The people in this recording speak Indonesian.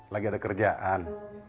lagi ada kerjaan